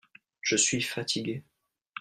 Je suis fatigué.